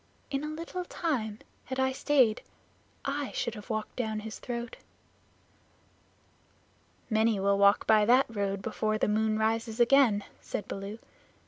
"In a little time, had I stayed, I should have walked down his throat." "Many will walk by that road before the moon rises again," said Baloo.